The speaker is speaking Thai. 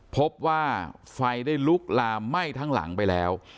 พบว่าไฟได้ลุกลามไหม้ทั้งหลังไปแล้ว